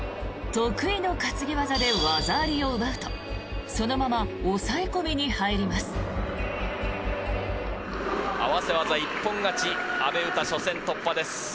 得意の担ぎ技で技ありを奪うとそのまま抑え込みに入ります。